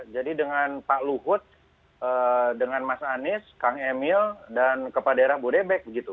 jadi dengan pak luhut dengan mas anies kang emil dan kepala daerah bodebek begitu